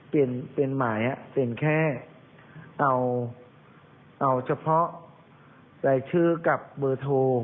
เปลี่ยนหมายเปลี่ยนแค่เอาเฉพาะรายชื่อกับเบอร์โทร